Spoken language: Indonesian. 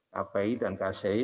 kpi dan kci